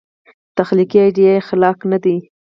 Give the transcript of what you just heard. تخلیقي ایډیا یې خلاق نه دی.